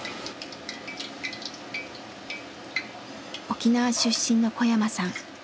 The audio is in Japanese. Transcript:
沖縄出身の小山さん。